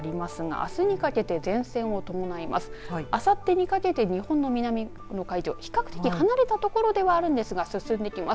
あさってにかけて日本の南の海上比較的離れた所ではありますが進んできます。